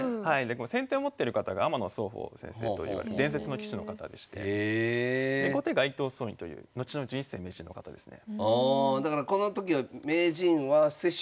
先手を持ってる方が天野宗歩先生という伝説の棋士の方でして後手が伊藤宗印というのちの十一世名人の方ですね。